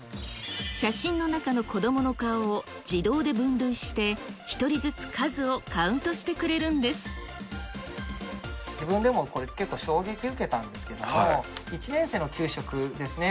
写真の中の子どもの顔を自動で分類して、１人ずつ数をカウントし自分でもこれ、結構衝撃受けたんですけど、１年生の給食ですね。